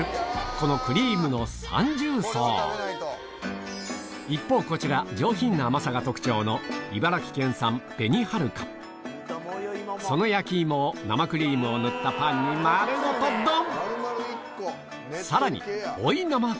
このクリームの３重奏一方こちら上品な甘さが特徴のその焼き芋を生クリームを塗ったパンに丸ごとドン！